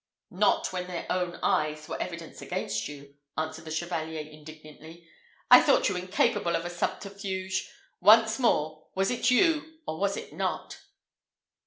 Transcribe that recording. "Not when their own eyes were evidence against you," answered the Chevalier, indignantly. "I thought you incapable of a subterfuge. Once more, was it you, or was it not?"